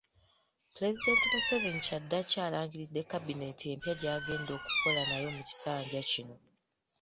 Pulezidenti Museveni, kyaddaaki alangiridde kabineeti empya gy’agenda okukola nayo mu kisanja kino.